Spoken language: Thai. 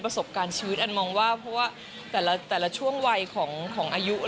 ประสบการณ์ชีวิตอันมองว่าเพราะว่าแต่ละช่วงวัยของอายุ